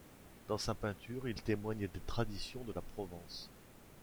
Dans sa peinture, il témoigne des traditions de la Provence.